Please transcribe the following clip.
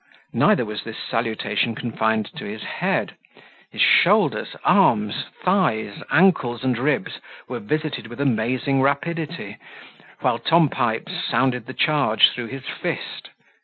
Neither was this salutation confined to his head: his shoulders, arms, thighs, ankles, and ribs, were visited with amazing rapidity, while Tom Pipes sounded the charge through his fist.